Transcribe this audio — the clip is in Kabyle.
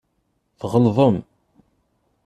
Tɣelḍem.